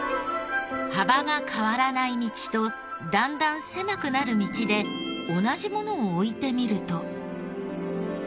幅が変わらない道とだんだん狭くなる道で同じものを置いてみると。